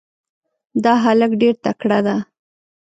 دا هلک ډېر تکړه ده.